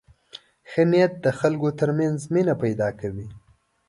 ښه نیت د خلکو تر منځ مینه پیدا کوي.